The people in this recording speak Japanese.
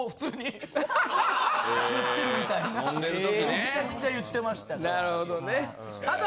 めちゃくちゃ言ってましたから。